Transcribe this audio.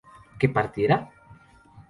¿que partiera?